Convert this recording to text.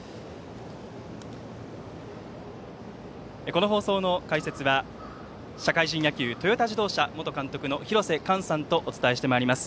この放送の解説は社会人野球トヨタ自動車元監督の廣瀬寛さんとお伝えしてまいります。